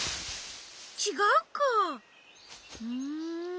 ちがうかうん。